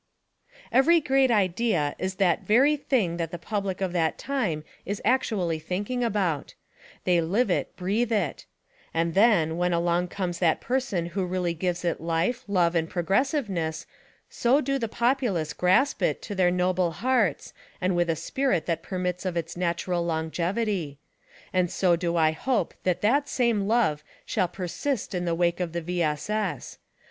! Every great idea is that very thing that the public of that time is actually thinking aboirt ; they live it, breathe it ; and then, when along comes that person who really gives it life, love and progressiveness so do the populace grasp It to their noble hearts and with a spirit that permits of its natural longevity. And so do I hope that that same love shall persist in the wake of the V. S. S.